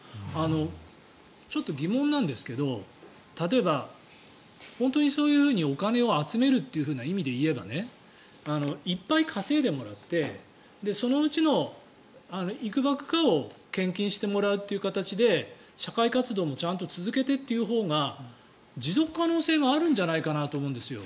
ちょっと疑問なんですけど例えば、本当にそういうふうにお金を集めるという意味で言えばたくさんお金を稼いでもらって献金してもらうという形で社会活動をちゃんと続けていくほうが持続可能性があるんじゃないかなと思うんですよ。